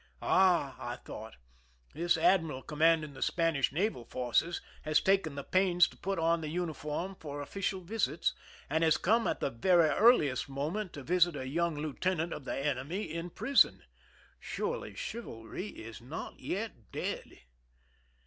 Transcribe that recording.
" Ah," I thought, " this admiral commanding the Spanish naval forces has taken the pains to put on the uni form for official visits, and has come at the very earliest moment to visit a young lieutenant of the enemy in prison ! Surely chivalry is not yet dead."